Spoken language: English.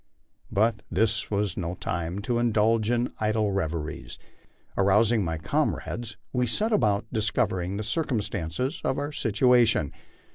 But this was no time to indulge in idle reveries. Arousing my comrades, we set about discovering the circumstances of our situation.